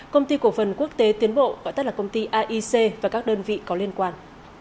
công ty cổ phần quốc tế tiến bộ gọi tắt là công ty aic và các đơn vị có liên quan